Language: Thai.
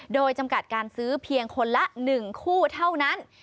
โดยจำกัดการซื้อเพียงคนละ๑คู่เท่านั้น